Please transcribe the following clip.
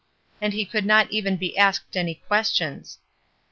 And he could not even be asked any questions.